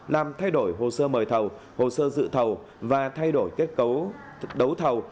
làm thay đổi hồ sơ mời thầu hồ sơ dự thầu và thay đổi kết cấu đấu thầu